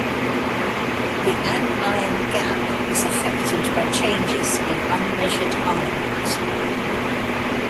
The anion gap is affected by changes in unmeasured ions.